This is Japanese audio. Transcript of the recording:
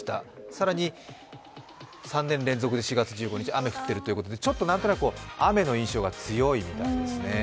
更に３年連続で４月１５日雨降ってるということでちょっと何となく雨の印象が強いみたいですね。